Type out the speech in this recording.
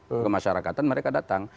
untuk kemasyarakatan mereka datang